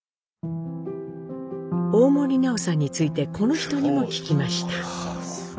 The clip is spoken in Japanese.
大森南朋さんについてこの人にも聞きました。